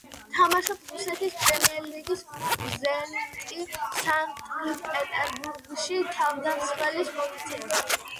თამაშობს რუსეთის პრემიერლიგის კლუბ „ზენიტი სანქტ-პეტერბურგში“ თავდამსხმელის პოზიციაზე.